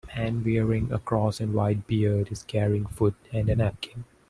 A man wearing a cross and white beard is carrying food and a napkin.